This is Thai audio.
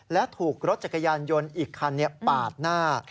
และถูกรถจักรยานยนต์อีกคันปาดหน้า